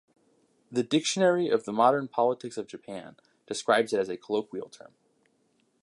The "Dictionary of the Modern Politics of Japan" describes it as a colloquial term.